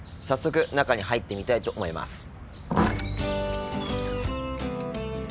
早速中に入ってみたいと思います。